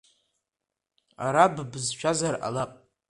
Араб бызшәазар ҟалап…